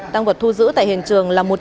tăng vật thu giữ tại hiện trường là